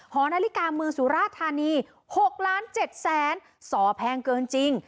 หอนาฬิกาเมืองสุราธานี๖ล้าน๗แสนสอแพงเกินจริง